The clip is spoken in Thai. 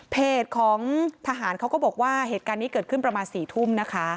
เพจของทหารเขาก็บอกว่าเหตุการณ์นี้เกิดขึ้นประมาณ๔ทุ่มนะคะ